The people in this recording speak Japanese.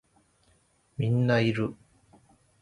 みんないる